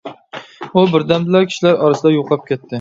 ئۇ بىردەمدىلا كىشىلەر ئارىسىدا يوقاپ كەتتى.